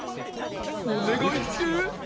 おねがいって？